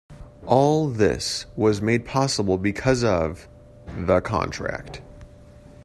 All this was made possible because of "the contract".